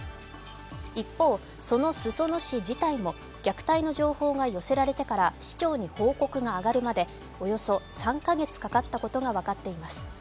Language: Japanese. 一方、その裾野市自体も虐待の情報が寄せられてから市長に報告が上がるまでおよそ３か月かかったことが分かっています。